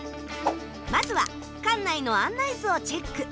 まずは館内の案内図をチェック。